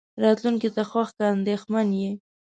راتلونکې ته خوښ که اندېښمن يې.